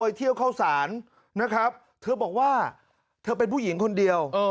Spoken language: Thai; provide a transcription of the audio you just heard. เที่ยวเข้าสารนะครับเธอบอกว่าเธอเป็นผู้หญิงคนเดียว